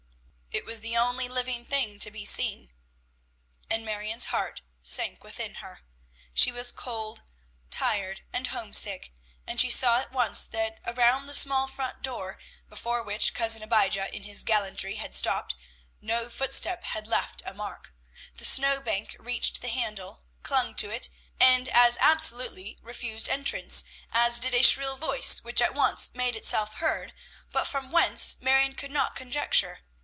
It was the only living thing to be seen, and Marion's heart sank within her. She was cold, tired, and homesick; and she saw at once that around the small front door, before which Cousin Abijah in his gallantry had stopped, no footstep had left a mark. The snow bank reached to the handle, clung to it, and as absolutely refused entrance, as did a shrill voice which at once made itself heard, but from whence Marion could not conjecture.